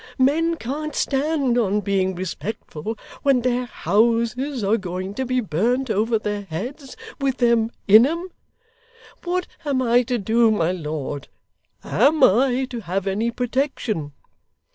Men can't stand on being respectful when their houses are going to be burnt over their heads, with them in 'em. What am I to do, my lord? AM I to have any protection!